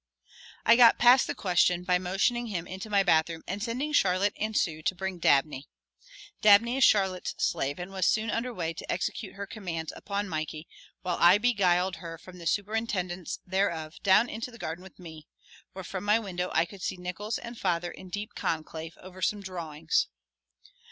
I got past the question by motioning him into my bathroom and sending Charlotte and Sue to bring Dabney. Dabney is Charlotte's slave and was soon under way to execute her commands upon Mikey while I beguiled her from the superintendence thereof down into the garden with me, where from my window I could see Nickols and father in deep conclave over some drawings.